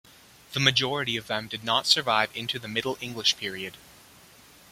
The majority of them did not survive into the Middle English Period.